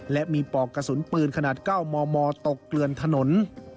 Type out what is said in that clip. และมีปอกกระสุนปืนขนาด๙มมตกเกลือนถนน